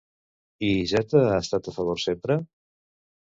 I Iceta ha estat a favor sempre?